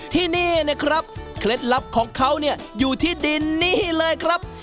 ที่นี่นะครับเคล็ดลับของเขาเนี่ยอยู่ที่ดินนี่เลยครับ